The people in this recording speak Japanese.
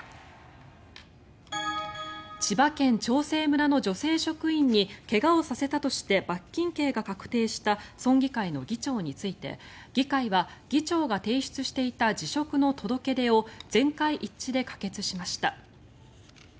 千葉県長生村の女性職員に怪我をさせたとして罰金刑が確定した村議会の議長について議会は、議長が提出していた辞職の届け出を全会一致で可決しました。